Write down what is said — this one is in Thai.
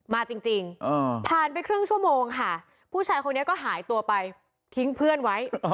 มาจริงผ่านไปครึ่งชั่วโมงค่ะผู้ชายคนนี้ก็หายตัวไปทิ้งเพื่อนไว้